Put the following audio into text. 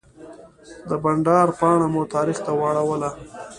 د بانډار پاڼه مو تاریخ ته واړوله.